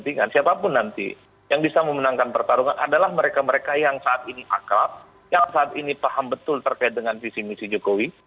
kepentingan siapapun nanti yang bisa memenangkan pertarungan adalah mereka mereka yang saat ini akrab yang saat ini paham betul terkait dengan visi misi jokowi